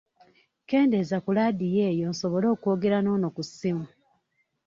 Kendeeza ku Ladiyo eyo nsobole okwogera n'ono ku ssimu.